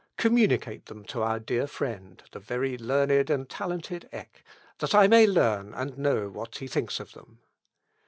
Communicate them to our dear friend, the very learned and talented Eck, that I may learn and know what he thinks of them."